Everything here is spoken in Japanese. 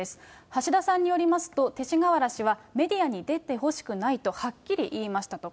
橋田さんによりますと、勅使河原氏はメディアに出てほしくないとはっきり言いましたと。